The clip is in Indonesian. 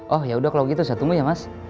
oh yaudah kalau gitu saya tunggu ya mas